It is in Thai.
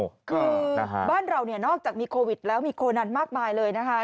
คือบ้านเราเนี่ยนอกจากมีโควิดแล้วมีโคนันมากมายเลยนะคะ